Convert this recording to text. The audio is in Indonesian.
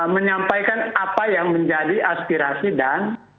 menyampaikan apa yang menjadi aspirasi dan